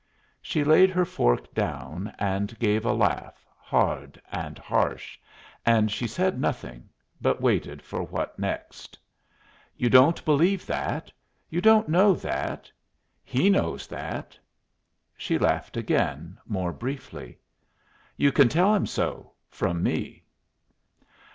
She laid her fork down and gave a laugh, hard and harsh; and she said nothing, but waited for what next. "You don't believe that. You don't know that. He knows that." She laughed again, more briefly. "You can tell him so. From me."